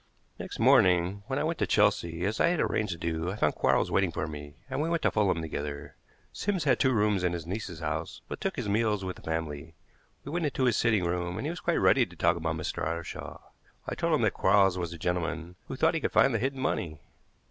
Next morning when I went to Chelsea, as I had arranged to do, I found Quarles waiting for me, and we went to Fulham together. Sims had two rooms in his niece's house, but took his meals with the family. We went into his sitting room and he was quite ready to talk about Mr. Ottershaw. I told him that Quarles was a gentleman who thought he could find the hidden money.